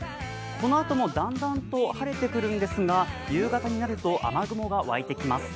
このあともだんだんと晴れてくるんですが、夕方になると、雨雲が湧いてきます